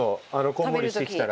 こんもりしてきたら。